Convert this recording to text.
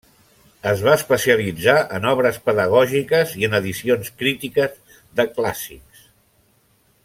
Es va especialitzar en obres pedagògiques i en edicions crítiques de clàssics.